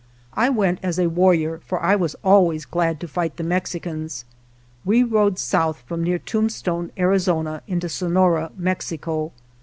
I went as a warrior, for I was always glad to fight the Mexicans. We rode south from near Tombstone, Arizona, into Sonora, Mexico.